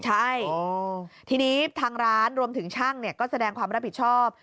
ใช่ทีนี้ทางร้านรวมถึงช่างก็แสดงความรับผิดชอบ